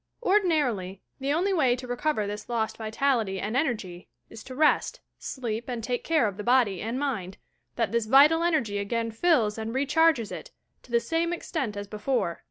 Ordinarily, the only way to recover this lost vitality and energy is to rest, sleep and take such care of the body and mind that this vital energy again fills and rechai^a it to the same extent as before.